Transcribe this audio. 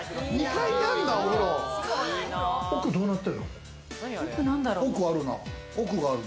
奥どうなってるの？